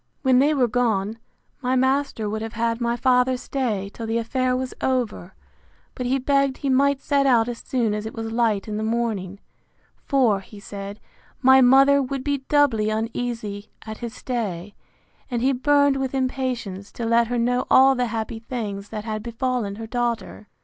When they were gone, my master would have had my father stay till the affair was over; but he begged he might set out as soon as it was light in the morning; for, he said, my mother would be doubly uneasy at his stay; and he burned with impatience to let her know all the happy things that had befallen her daughter.